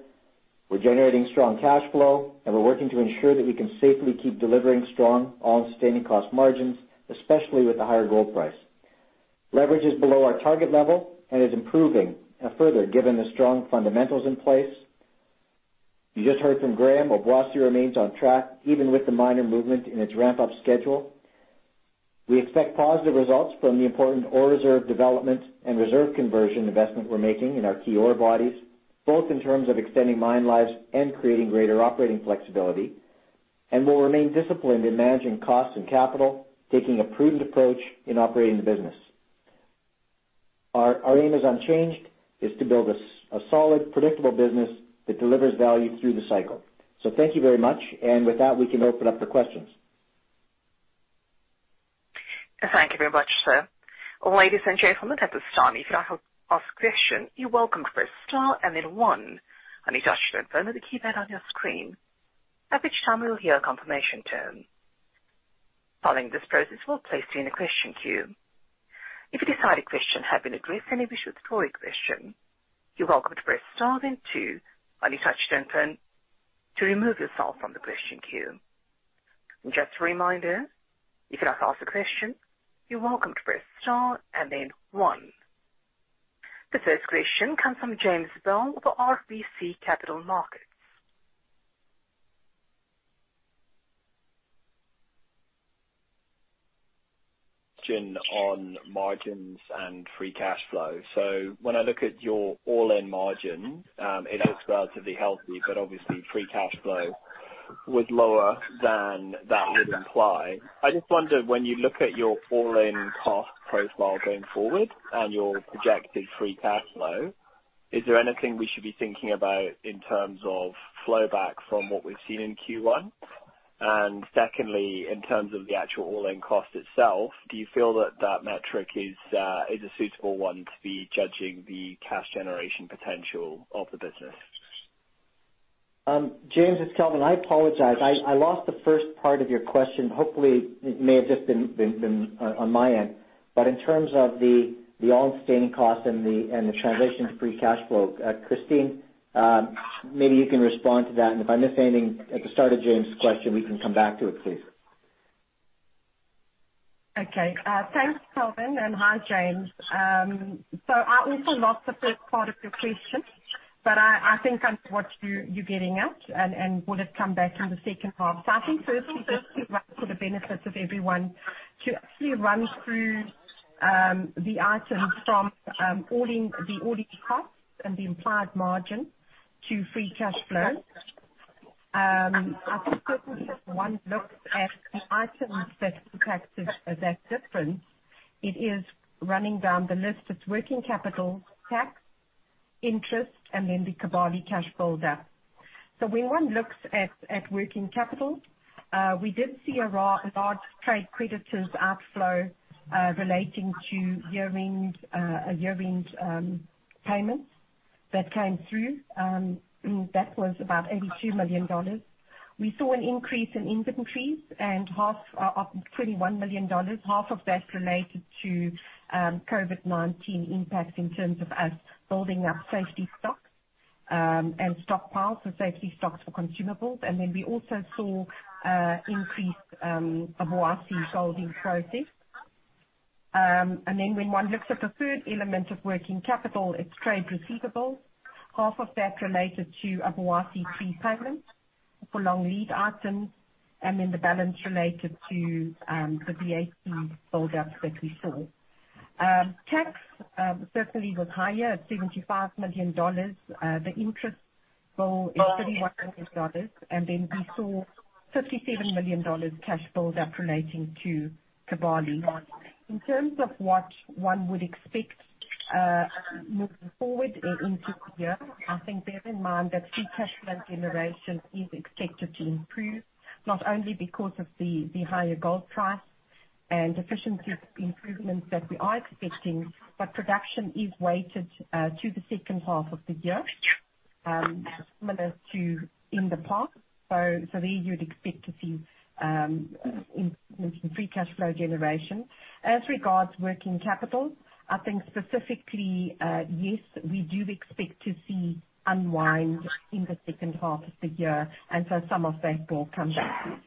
We're generating strong cash flow, and we're working to ensure that we can safely keep delivering strong all-in sustaining cost margins, especially with the higher gold price. Leverage is below our target level and is improving further given the strong fundamentals in place. You just heard from Graham, Obuasi remains on track even with the minor movement in its ramp-up schedule. We expect positive results from the important Ore Reserve Development and reserve conversion investment we're making in our key ore bodies, both in terms of extending mine lives and creating greater operating flexibility. We'll remain disciplined in managing costs and capital, taking a prudent approach in operating the business. Our aim is unchanged, to build a solid, predictable business that delivers value through the cycle. Thank you very much. With that, we can open up for questions. Thank you very much, sir. Ladies and gentlemen, at this time, if you'd like to ask a question, you're welcome to press star and then one on your touch-tone phone or the keypad on your screen, at which time you'll hear a confirmation tone. Following this process, we'll place you in a question queue. If you decide your question has been addressed and you wish to withdraw your question, you're welcome to press star then two on your touch-tone phone to remove yourself from the question queue. And just a reminder, if you'd like to ask a question, you're welcome to press star and then one. The first question comes from James Bell of RBC Capital Markets. On margins and free cash flow. When I look at your all-in margin, it looks relatively healthy, but obviously free cash flow was lower than that would imply. I just wonder, when you look at your all-in cost profile going forward and your projected free cash flow, is there anything we should be thinking about in terms of flowback from what we've seen in Q1? Secondly, in terms of the actual all-in cost itself, do you feel that that metric is a suitable one to be judging the cash generation potential of the business? James, it's Kelvin. I apologize. I lost the first part of your question. Hopefully, it may have just been on my end. In terms of the all-in sustaining cost and the transition to free cash flow, Christine, maybe you can respond to that. If I missed anything at the start of James' question, we can come back to it, please. Okay. Thanks, Kelvin, and hi, James. I also lost the first part of your question, but I think I know what you're getting at and would have come back in the second part. I think firstly, just for the benefits of everyone to actually run through the items from the all-in costs and the implied margin to free cash flow. I think certainly if one looks at the items that impacts that difference, it is running down the list of working capital, tax, interest, and then the Kibali cash build-up. When one looks at working capital, we did see a large trade creditors outflow relating to year-end payments that came through. That was about $82 million. We saw an increase in inventories of $21 million. Half of that related to COVID-19 impacts in terms of us building up safety stock and stockpiles for safety stocks for consumables. We also saw increased Obuasi selling process. When one looks at the third element of working capital, it's trade receivables. Half of that related to Obuasi pre-payment for long lead items, and then the balance related to the VAT build-ups that we saw. Tax certainly was higher at $75 million. The interest bill is $31 million. We saw $57 million cash build-up relating to Kibali. In terms of what one would expect moving forward into the year, I think bear in mind that free cash flow generation is expected to improve, not only because of the higher gold price and efficiency improvements that we are expecting, but production is weighted to the second half of the year, similar to in the past. There you would expect to see improvements in free cash flow generation. As regards working capital, I think specifically, yes, we do expect to see unwind in the second half of the year, and so some of that will come back.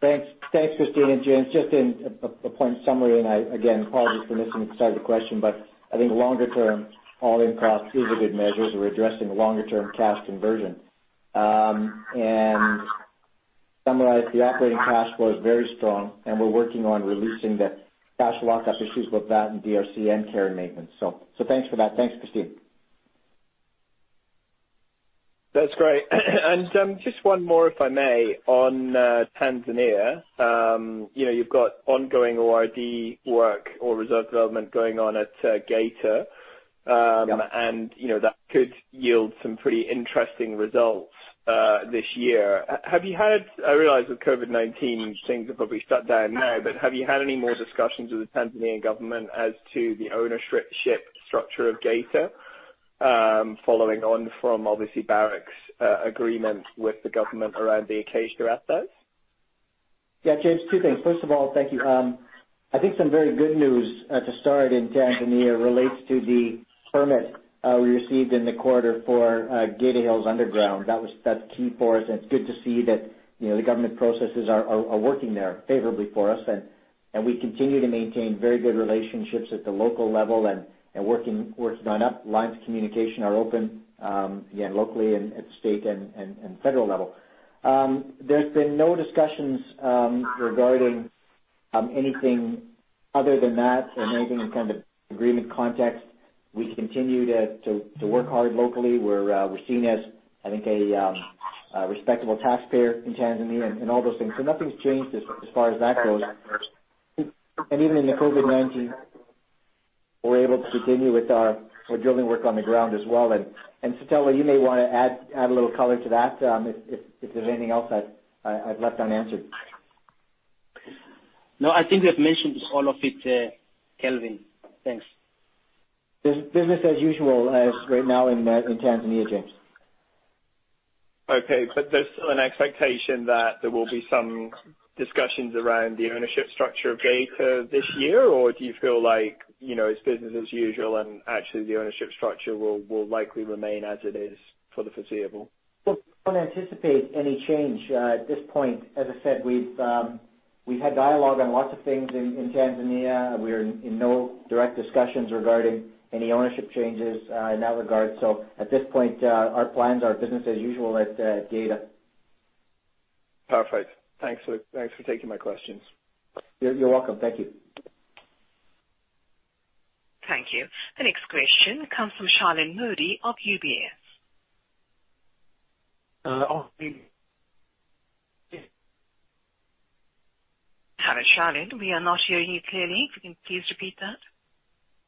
Thanks, Christine and James. Just in a point summary, and I, again, apologize for missing the start of the question, but I think longer-term all-in cost is a good measure as we're addressing longer-term cash conversion. To summarize, the operating cash flow is very strong and we're working on releasing the cash lockup issues with that in DRC and care and maintenance. Thanks for that. Thanks, Christine. That's great. Just one more, if I may, on Tanzania. You've got ongoing ORD work or reserve development going on at Geita. Yeah. That could yield some pretty interesting results this year. I realize with COVID-19 things are probably shut down now, but have you had any more discussions with the Tanzanian government as to the ownership structure of Geita, following on from, obviously, Barrick's agreement with the government around the Acacia assets? James, two things. First of all, thank you. I think some very good news to start in Tanzania relates to the permit we received in the quarter for Geita Hill Underground. That's key for us, and it's good to see that the government processes are working there favorably for us. We continue to maintain very good relationships at the local level and working on up. Lines of communication are open, again, locally and at state and federal level. There's been no discussions regarding anything other than that or anything in terms of agreement context. We continue to work hard locally. We're seen as, I think, a respectable taxpayer in Tanzania and all those things. Nothing's changed as far as that goes. Even in the COVID-19, we're able to continue with our drilling work on the ground as well. Sicelo, you may want to add a little color to that, if there's anything else I've left unanswered. No, I think we have mentioned all of it, Kelvin. Thanks. Business as usual as right now in Tanzania, James. Okay. There's still an expectation that there will be some discussions around the ownership structure of Geita this year, or do you feel like, it's business as usual, and actually the ownership structure will likely remain as it is for the foreseeable? Well, we don't anticipate any change at this point. As I said, we've had dialogue on lots of things in Tanzania. We're in no direct discussions regarding any ownership changes in that regard. At this point, our plans are business as usual at Geita. Perfect. Thanks for taking my questions. You're welcome. Thank you. Thank you. The next question comes from Shalin Mody of UBS. On mute. Shalin, we are not hearing you clearly. If you can please repeat that.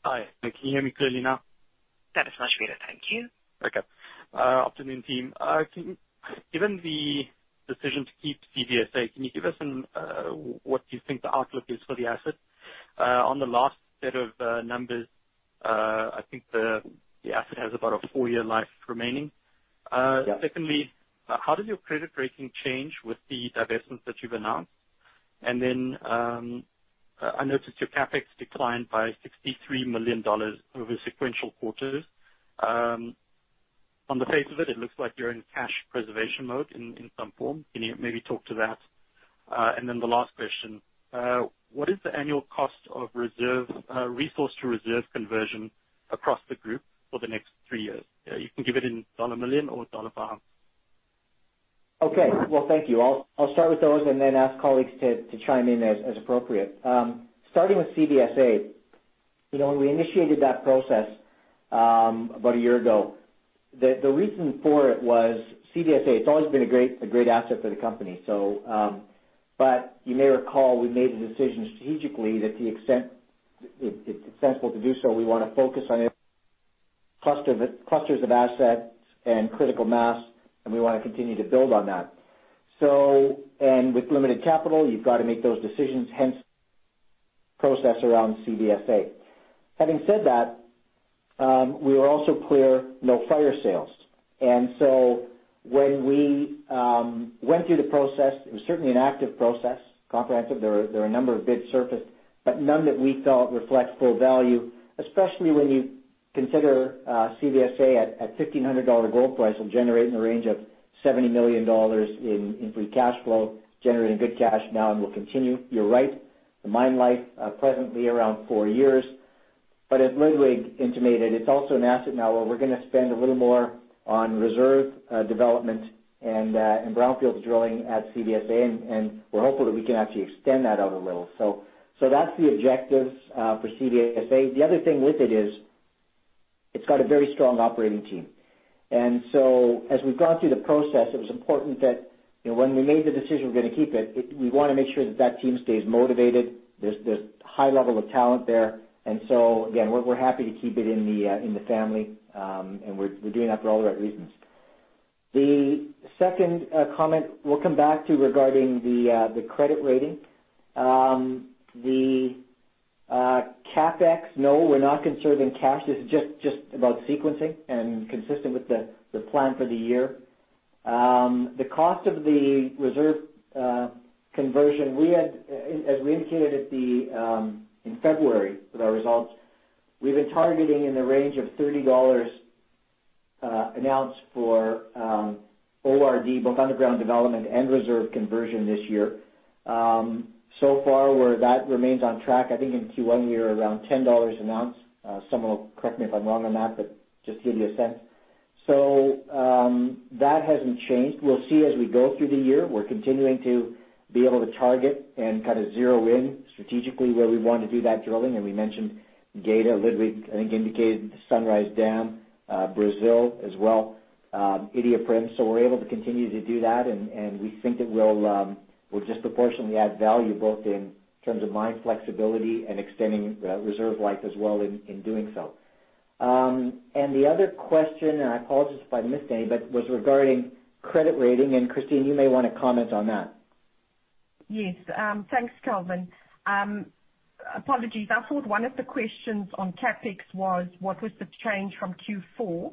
Hi. Can you hear me clearly now? That is much better. Thank you. Okay. Afternoon, team. Given the decision to keep CVSA, can you give us what you think the outlook is for the asset? On the last set of numbers, I think the asset has about a four-year life remaining. Yeah. Secondly, how did your credit rating change with the divestments that you've announced? I noticed your CapEx declined by $63 million over sequential quarters. On the face of it looks like you're in cash preservation mode in some form. Can you maybe talk to that? The last question, what is the annual cost of resource-to-reserve conversion across the group for the next three years? You can give it in dollar million or dollar pound? Okay. Well, thank you. I'll start with those and then ask colleagues to chime in as appropriate. Starting with CVSA, when we initiated that process, about a year ago, the reason for it was CVSA, it's always been a great asset for the company. You may recall we made the decision strategically that it's sensible to do so, we want to focus on clusters of assets and critical mass, and we want to continue to build on that. With limited capital, you've got to make those decisions, hence process around CVSA. Having said that, we were also clear, no fire sales. When we went through the process, it was certainly an active process, comprehensive. There were a number of bids surfaced, but none that we felt reflect full value, especially when you consider CVSA at $1,500 gold price and generating a range of $70 million in free cash flow, generating good cash now and will continue. You're right, the mine life, presently around four years. As Ludwig intimated, it's also an asset now where we're going to spend a little more on reserve development and brownfield drilling at CVSA, and we're hopeful that we can actually extend that out a little. That's the objective for CVSA. The other thing with it is it's got a very strong operating team. As we've gone through the process, it was important that when we made the decision, we're going to keep it, we want to make sure that that team stays motivated. There's high level of talent there. Again, we're happy to keep it in the family, and we're doing that for all the right reasons. The second comment we'll come back to regarding the credit rating. The CapEx, no, we're not conserving cash. It's just about sequencing and consistent with the plan for the year. The cost of the reserve conversion, as we indicated in February with our results, we've been targeting in the range of $30 an ounce for ORD, both underground development and reserve conversion this year. So far, where that remains on track, I think in Q1, we are around $10 an ounce. Someone will correct me if I'm wrong on that, but just to give you a sense. That hasn't changed. We'll see as we go through the year. We're continuing to be able to target and kind of zero in strategically where we want to do that drilling. We mentioned Geita. Ludwig, I think, indicated Sunrise Dam, Brazil as well, Iduapriem. We're able to continue to do that. We think it will disproportionately add value both in terms of mine flexibility and extending reserve life as well in doing so. The other question, I apologize if I missed any, was regarding credit rating. Christine, you may want to comment on that. Yes. Thanks, Kelvin. Apologies. I thought one of the questions on CapEx was what was the change from Q4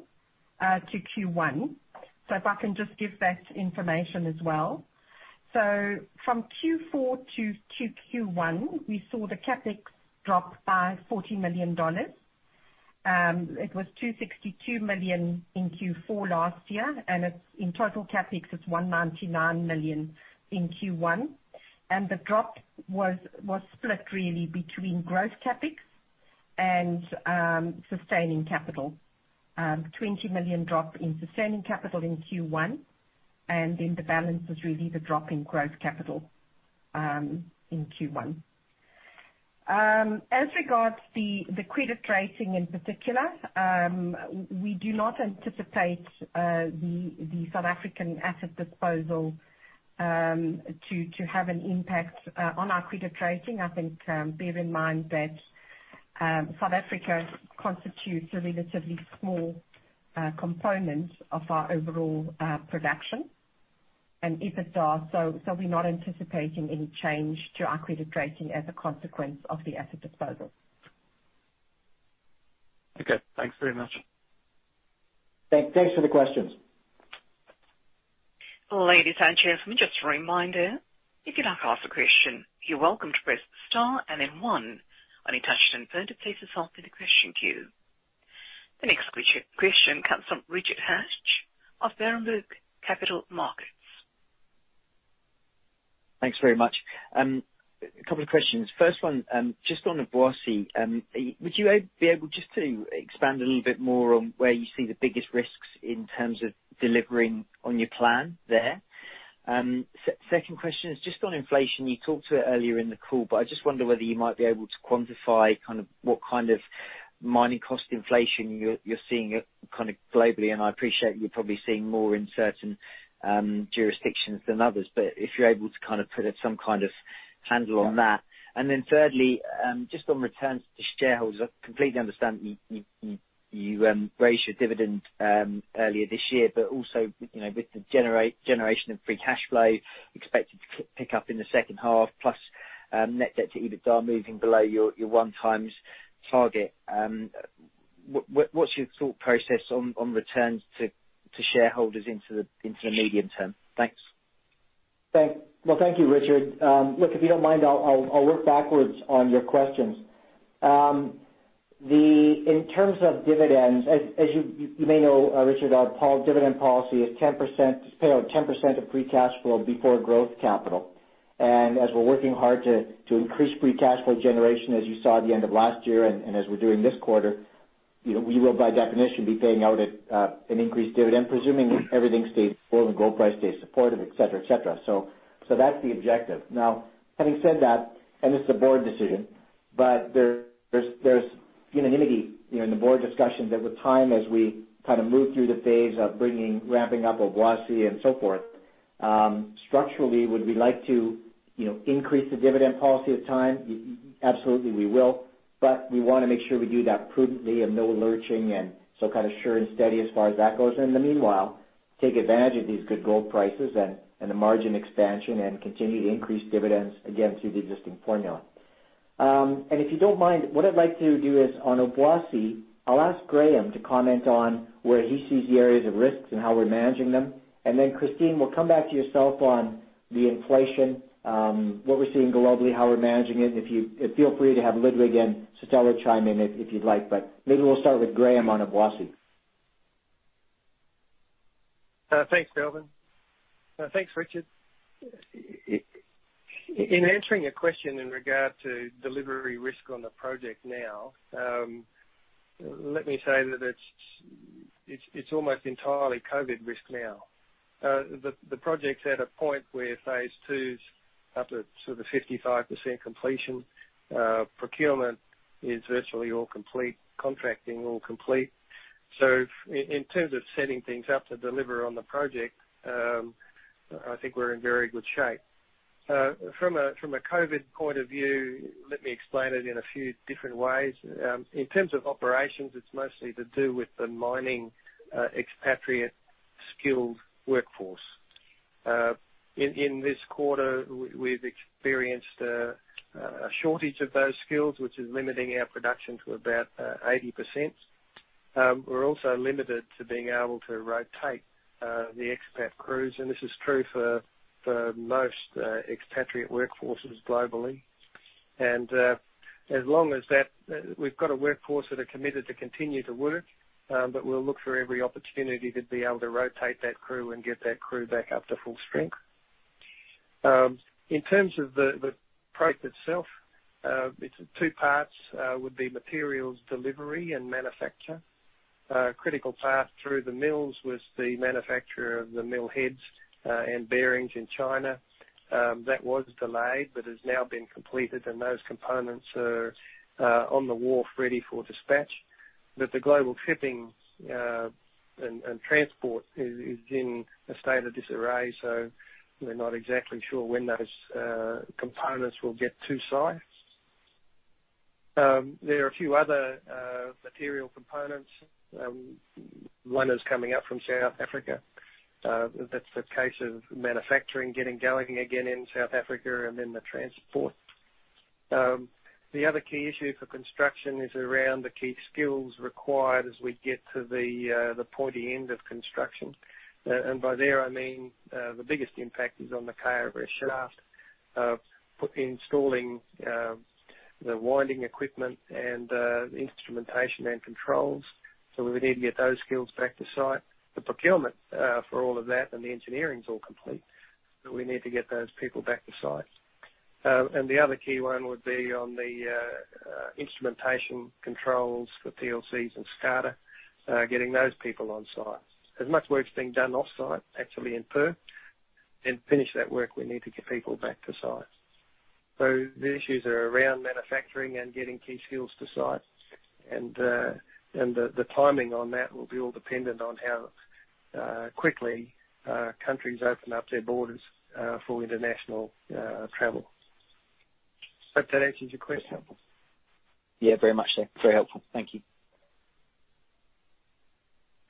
to Q1. If I can just give that information as well. From Q4 to Q1, we saw the CapEx drop by $40 million. It was $262 million in Q4 last year, and in total CapEx, it's $199 million in Q1. The drop was split really between growth CapEx and sustaining capital. $20 million drop in sustaining capital in Q1, the balance was really the drop in growth capital in Q1. As regards the credit rating in particular, we do not anticipate the South African asset disposal to have an impact on our credit rating. I think, bear in mind that South Africa constitutes a relatively small component of our overall production and EBITDA, so we're not anticipating any change to our credit rating as a consequence of the asset disposal. Okay, thanks very much. Thanks for the questions. Ladies and gentlemen, just a reminder, if you'd like to ask a question, you're welcome to press star and then one when it touches and goes to place yourself in the question queue. The next question comes from Rich Hatch of Berenberg Capital Markets. Thanks very much. A couple of questions. First one, just on Obuasi, would you be able just to expand a little bit more on where you see the biggest risks in terms of delivering on your plan there? Second question is just on inflation. You talked to it earlier in the call, I just wonder whether you might be able to quantify what kind of mining cost inflation you're seeing globally, and I appreciate you're probably seeing more in certain jurisdictions than others. If you're able to put some kind of handle on that. Thirdly, just on returns to shareholders, I completely understand you raised your dividend earlier this year, but also, with the generation of free cash flow expected to pick up in the second half, plus net debt to EBITDA moving below your 1x target. What's your thought process on returns to shareholders into the medium term? Thanks. Well, thank you Richard. Look, if you don't mind, I'll work backwards on your questions. In terms of dividends, as you may know, Richard, our dividend policy is pay out 10% of free cash flow before growth capital. As we're working hard to increase free cash flow generation, as you saw at the end of last year and as we do in this quarter, we will by definition, be paying out at an increased dividend, presuming everything stays full and gold price stays supportive, et cetera. That's the objective. Now, having said that, and this is a board decision, but there's unanimity in the board discussions that with time, as we move through the phase of bringing, ramping up Obuasi and so forth, structurally would we like to increase the dividend policy with time? Absolutely, we will. We want to make sure we do that prudently, no lurching, kind of sure and steady as far as that goes. In the meanwhile, take advantage of these good gold prices and the margin expansion and continue to increase dividends again through the existing formula. If you don't mind, what I'd like to do is on Obuasi, I'll ask Graham to comment on where he sees the areas of risks and how we're managing them. Christine will come back to yourself on the inflation, what we're seeing globally, how we're managing it. Feel free to have Ludwig and Stellar chime in if you'd like. Maybe we'll start with Graham on Obuasi. Thanks, Kelvin. Thanks, Richard. In answering a question in regard to delivery risk on the project now, let me say that it's almost entirely COVID risk now. The project's at a point where phase II's up to sort of 55% completion. Procurement is virtually all complete, contracting all complete. In terms of setting things up to deliver on the project, I think we're in very good shape. From a COVID point of view, let me explain it in a few different ways. In terms of operations, it's mostly to do with the mining expatriate skilled workforce. In this quarter, we've experienced a shortage of those skills, which is limiting our production to about 80%. We're also limited to being able to rotate the expat crews, and this is true for most expatriate workforces globally. As long as that, we've got a workforce that are committed to continue to work, but we'll look for every opportunity to be able to rotate that crew and get that crew back up to full strength. In terms of the project itself, it's two parts, would be materials delivery and manufacture. A critical path through the mills was the manufacturer of the mill heads and bearings in China. That was delayed but has now been completed, and those components are on the wharf ready for dispatch. The global shipping and transport is in a state of disarray, so we're not exactly sure when those components will get to site. There are a few other material components. One is coming up from South Africa. That's a case of manufacturing getting going again in South Africa and then the transport. The other key issue for construction is around the key skills required as we get to the pointy end of construction. By there I mean, the biggest impact is on the KMS shaft, installing the winding equipment and the instrumentation and controls. We would need to get those skills back to site. The procurement for all of that and the engineering's all complete, but we need to get those people back to site. The other key one would be on the instrumentation controls for PLCs and SCADA, getting those people on site. As much work's being done offsite, actually in Perth, then finish that work, we need to get people back to site. The issues are around manufacturing and getting key skills to site. The timing on that will be all dependent on how quickly countries open up their borders for international travel. Hope that answers your question. Yeah, very much so. Very helpful. Thank you.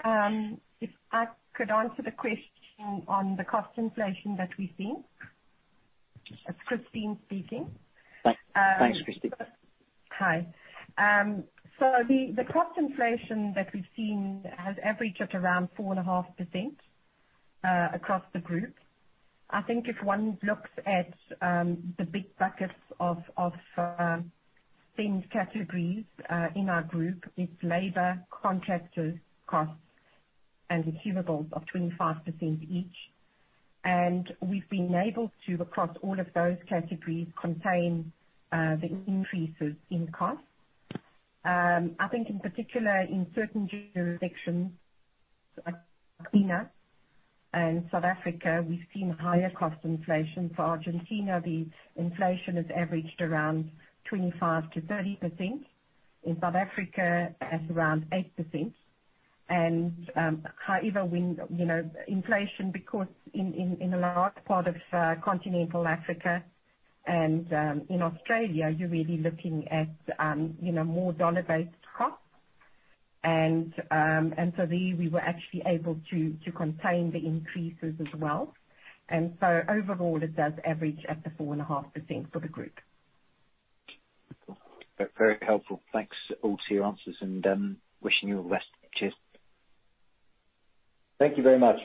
If I could answer the question on the cost inflation that we've seen. It's Christine speaking. Thanks, Christine. Hi. The cost inflation that we've seen has averaged at around 4.5% across the group. I think if one looks at the big buckets of spend categories in our group, it's labor, contractors, costs, and consumables of 25% each. We've been able to, across all of those categories, contain the increases in costs. I think in particular in certain jurisdictions like Argentina and South Africa, we've seen higher cost inflation. For Argentina, the inflation has averaged around 25%-30%. In South Africa, at around 8%. However, in a large part of continental Africa and in Australia, you're really looking at more dollar-based costs. There we were actually able to contain the increases as well. Overall it does average at the 4.5% for the group. Very helpful. Thanks, all, to your answers and wishing you the best. Cheers. Thank you very much.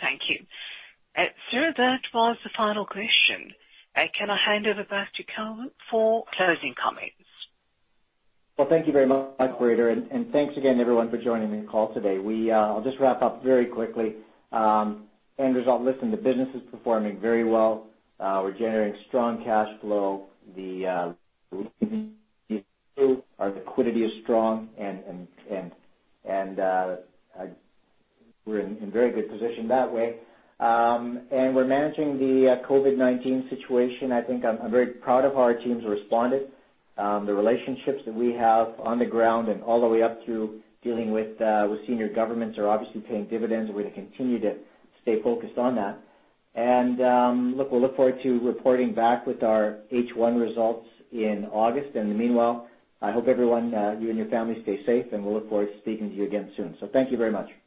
Thank you. That was the final question. Can I hand over back to Kelvin for closing comments? Well, thank you very much, operator, and thanks again, everyone, for joining the call today. I'll just wrap up very quickly. End result, listen, the business is performing very well. We're generating strong cash flow. Our liquidity is strong and we're in very good position that way. We're managing the COVID-19 situation. I think I'm very proud of how our team's responded. The relationships that we have on the ground and all the way up through dealing with senior governments are obviously paying dividends. We're going to continue to stay focused on that. Look, we look forward to reporting back with our H1 results in August. In the meanwhile, I hope everyone, you and your family stay safe, and we'll look forward to speaking to you again soon. Thank you very much.